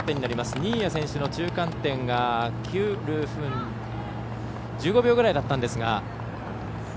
新谷選手の中間点が９分１５秒ぐらいだったんですが。